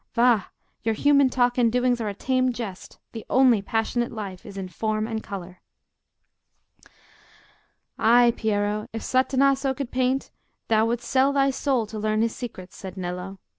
—Va! your human talk and doings are a tame jest; the only passionate life is in form and colour." "Ay, Piero, if Satanasso could paint, thou wouldst sell thy soul to learn his secrets," said Nello.